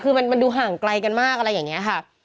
คือมันดูห่างไกลกันมากอะไรอย่างนี้ค่ะ